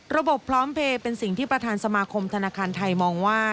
พร้อมเพลย์เป็นสิ่งที่ประธานสมาคมธนาคารไทยมองว่า